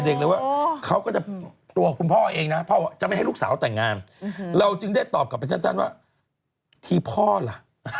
ออกไปแสดงว่าที่พ่อล่ะ